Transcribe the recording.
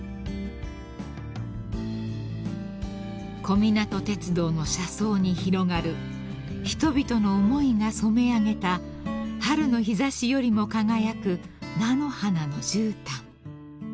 ［小湊鐵道の車窓に広がる人々の思いが染め上げた春の日差しよりも輝く菜の花のじゅうたん］